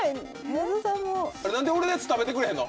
何で俺のやつ食べてくれへんの？